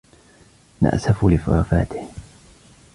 نأسف لوفاته